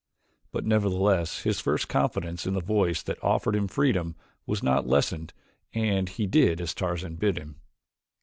But nevertheless his first confidence in the voice that offered him freedom was not lessened and he did as Tarzan bid him.